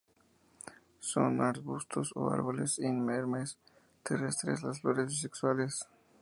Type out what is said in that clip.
Son arbustos o árboles inermes, terrestres, las flores bisexuales.